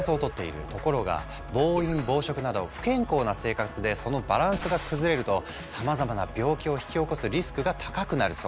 ところが暴飲暴食など不健康な生活でそのバランスが崩れるとさまざまな病気を引き起こすリスクが高くなるそう。